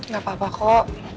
gak apa apa kok